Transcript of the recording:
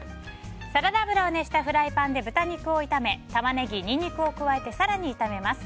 サラダ油を熱したフライパンで豚肉を炒めタマネギ、ニンニクを加えて更に炒めます。